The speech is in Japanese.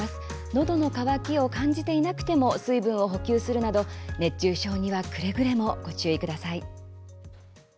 のどの渇きを感じていなくても水分を補給するなど熱中症にはくれぐれもご注意ください。